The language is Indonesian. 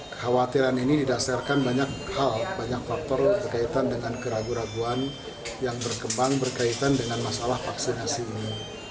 kekhawatiran ini didasarkan banyak hal banyak faktor berkaitan dengan keraguan keraguan yang berkembang berkaitan dengan masalah vaksinasi ini